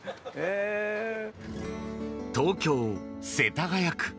東京・世田谷区。